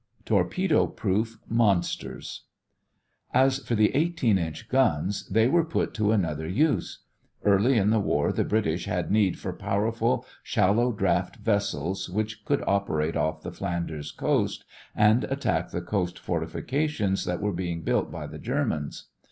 TORPEDO PROOF MONSTERS As for the 18 inch guns, they were put to another use. Early in the war the British had need for powerful shallow draft vessels which could operate off the Flanders coast and attack the coast fortifications that were being built by the Germans.